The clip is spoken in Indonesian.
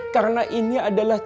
karena ini adalah